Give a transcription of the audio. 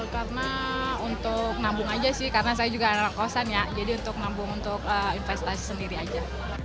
karena untuk nabung aja sih karena saya juga anak kosan ya jadi untuk nabung untuk investasi sendiri aja